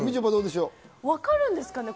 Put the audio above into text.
わかるんですかね？